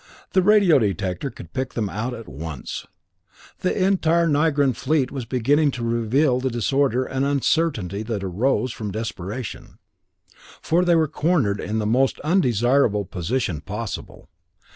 The radio detector could pick them out at once. The entire Nigran fleet was beginning to reveal the disorder and uncertainty that arose from desperation, for they were cornered in the most undesirable position possible.